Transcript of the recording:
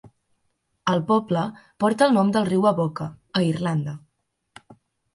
El poble porta el nom del riu Avoca, a Irlanda.